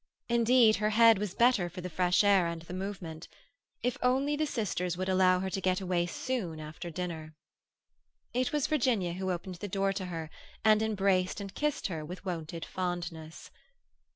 Indeed, her head was better for the fresh air and the movement. If only the sisters would allow her to get away soon after dinner! It was Virginia who opened the door to her, and embraced and kissed her with wonted fondness.